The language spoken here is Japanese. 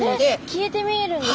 消えて見えるんですか？